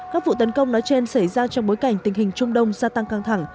các vụ tấn công nói trên xảy ra trong bối cảnh tình hình trung đông gia tăng căng thẳng